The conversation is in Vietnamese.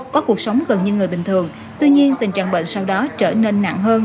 có cuộc sống gần như người bình thường tuy nhiên tình trạng bệnh sau đó trở nên nặng hơn